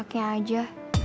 bukan anaknya aja